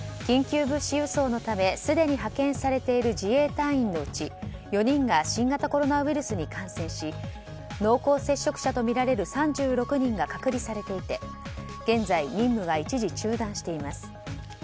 緊急物資輸送のためすでに派遣されている自衛隊員のうち４人が新型コロナウイルスに感染し濃厚接触者とみられる３６人が隔離されていて現在、任務が一時中断しています。